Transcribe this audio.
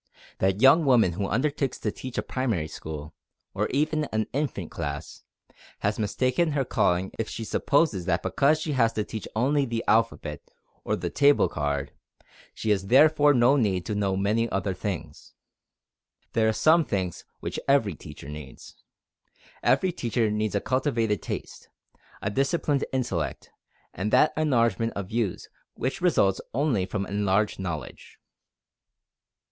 That young woman who undertakes to teach a primary school, or even an infant class, has mistaken her calling if she supposes that because she has to teach only the alphabet or the "table card," she has therefore no need to know many other things. There are some things which every teacher needs. Every teacher needs a cultivated taste, a disciplined intellect, and that enlargement of views which results only from enlarged knowledge.